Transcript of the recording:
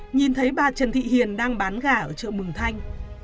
nhìn thấy bà trần thị hiền đang bán gà ở chợ mường thanh